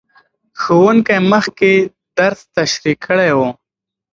ښوونکی مخکې درس تشریح کړی و.